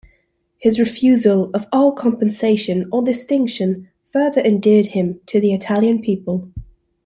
His refusal of all compensation or distinction further endeared him to the Italian people.